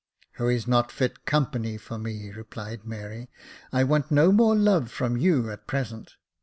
"Who is not fit company for me," replied Mary, "I want no more love from you, at present.